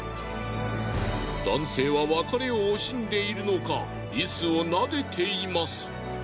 男性は別れを惜しんでいるのかリスをなでています。